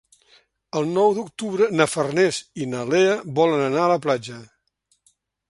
El nou d'octubre na Farners i na Lea volen anar a la platja.